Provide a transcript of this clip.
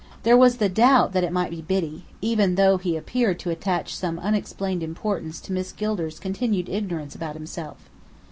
There was the doubt that it might be Biddy, even though he appeared to attach some unexplained importance to Miss Gilder's continued ignorance about himself.